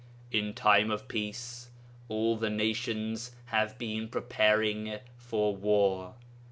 In time of peace all the nations have been preparing for war.